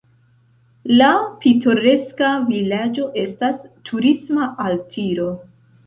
La pitoreska vilaĝo estas turisma altiro.